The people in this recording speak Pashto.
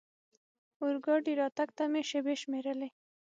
اورګاډي راتګ ته مې شېبې شمېرلې.